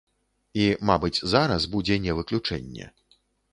І мабыць зараз будзе не выключэнне.